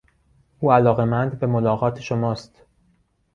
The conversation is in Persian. او علاقمند به ملاقات شماست.